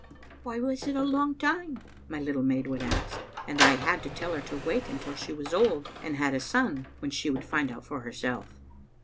"Why was it a long time?'* my little maid would ask, and I had to tell her to wait until she was old, and had a son, when she would find out for herself.